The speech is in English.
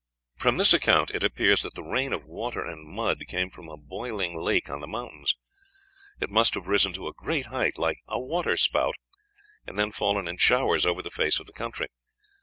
From this account it appears that the rain of water and mud came from a boiling lake on the mountains; it must have risen to a great height, "like a water spout," and then fallen in showers over the face of the country.